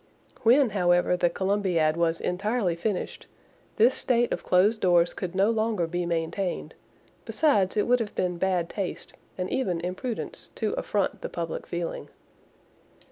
When, however, the Columbiad was entirely finished, this state of closed doors could no longer be maintained; besides it would have been bad taste, and even imprudence, to affront the public feeling.